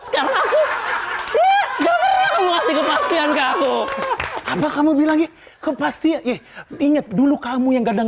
sekarang aku nggak mau kasih kepastian kamu apa kamu bilang ke pasti inget dulu kamu yang gadang